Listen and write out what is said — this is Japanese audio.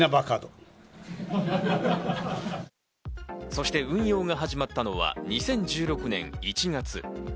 そして運用が始まったのが２０１６年１月。